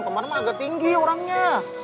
kemarin mah agak tinggi orangnya